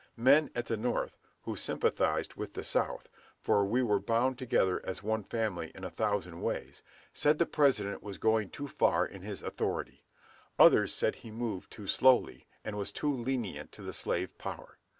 Men at the North, who sympathized with the South, for we were bound together as one family in a thousand ways, said the President was going too far in his authority; others said he moved too slowly, and was too lenient to the slave power.